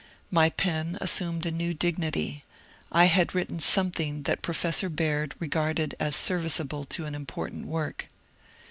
My pen assumed a new dignity : I had written something that Pro* f essor Baird regarded as serviceable to an important work.